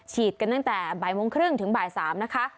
กันตั้งแต่บ่ายโมงครึ่งถึงบ่าย๓นะคะ